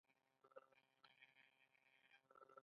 خیام یو لوی ستورپیژندونکی و.